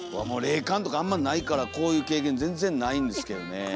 霊感とかあんまないからこういう経験全然ないんですけどね。